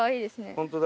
本当だ。